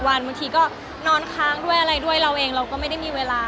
บางทีก็นอนค้างด้วยอะไรด้วยเราเองเราก็ไม่ได้มีเวลา